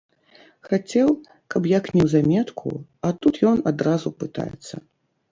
Хацеў, каб як неўзаметку, а тут ён адразу пытаецца.